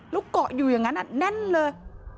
แล้วก็อยู่อย่างงั้นนั่นแน่นเลย